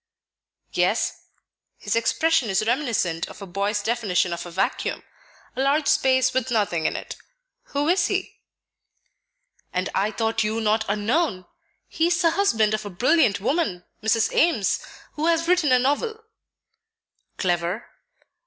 "Yes; his expression is reminiscent of a boy's definition of a vacuum, a large space with nothing in it. Who is he?" "And I thought you not unknown! He is the husband of a brilliant woman, Mrs. Ames, who has written a novel." "Clever?"